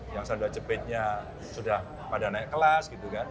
yang saya sudah jepitnya sudah pada naik kelas gitu kan